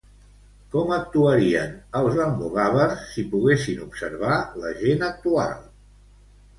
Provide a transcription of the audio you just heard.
Com actuarien els almogàvers si poguessin observar la gent actual?